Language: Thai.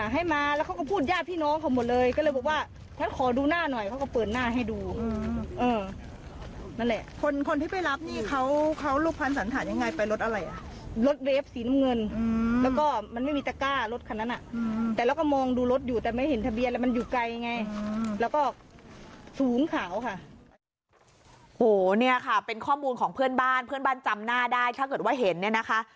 โหเป็นข้อมูลของเพื่อนบ้านเพื่อนบ้านจำหน้าได้ถ้าเกิดว่าหันนี้นะคะ